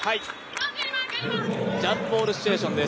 ジャンプボールシチュエーション。